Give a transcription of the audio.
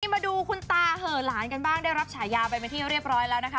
มาดูคุณตาเหอะหลานกันบ้างได้รับฉายาไปเป็นที่เรียบร้อยแล้วนะคะ